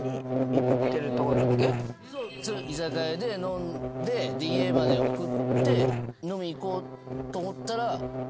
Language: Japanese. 居酒屋で飲んで家まで送って飲みに行こうと思ったら。